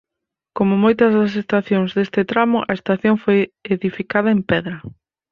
Como moitas das estacións deste tramo a estación foi edificada en pedra.